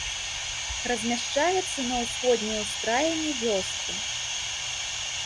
Размяшчаецца на ўсходняй ускраіне вёскі.